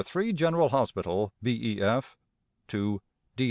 3 General Hospital, B.E.F. To D.